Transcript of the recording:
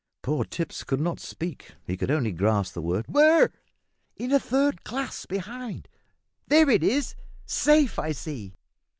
Poor Tipps could not speak he could only gasp the word, "Where?" "In a third class, behind there, it is safe, I see."